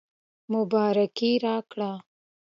مبارکي راکړه.